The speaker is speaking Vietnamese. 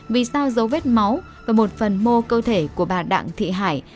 vì sao dấu vết máu và một phần mô cơ thể của bà đặng thị hải